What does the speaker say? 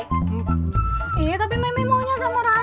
iya tapi meme maunya sama raja